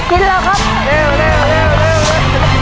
มีทั้งหมด๔จานแล้วนะฮะ